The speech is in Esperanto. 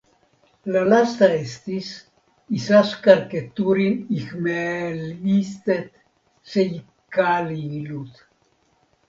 La lasta estis "Isaskar Keturin ihmeelliset seikkailut".